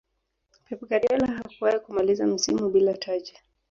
pep guardiola hakuwahi kumaliza msimu bila taji